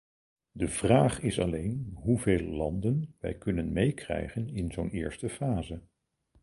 De vraag is alleen hoeveel landen wij kunnen meekrijgen in zo'n eerste fase.